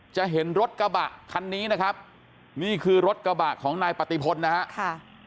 จะเห็นรถกระบะคันนี้นะครับนี่คือรถกระบะของนายปฏิพลนะครับ